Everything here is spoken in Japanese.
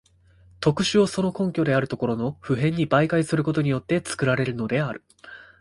特殊をその根拠であるところの普遍に媒介することによって作られるのである。